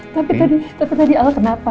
tapi tadi tante tadi al kenapa